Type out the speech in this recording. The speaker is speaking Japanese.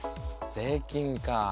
税金かあ。